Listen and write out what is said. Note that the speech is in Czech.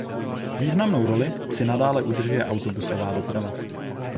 Významnou roli si nadále udržuje autobusová doprava.